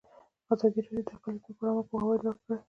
ازادي راډیو د اقلیتونه لپاره عامه پوهاوي لوړ کړی.